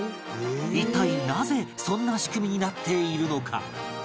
一体なぜそんな仕組みになっているのか？